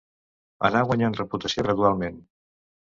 Anà guanyant reputació gradualment.